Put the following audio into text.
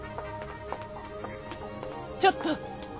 ちょっと！